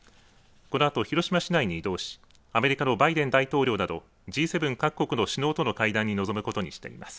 このあと、広島市内に移動しアメリカのバイデン大統領などＧ７各国との会談に臨むことにしています。